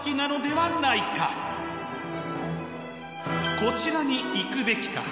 こちらに行くべきか？